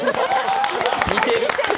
似てる！